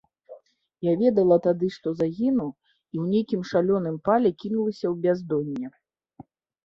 Я ведала тады, што загіну, і ў нейкім шалёным пале кінулася ў бяздонне.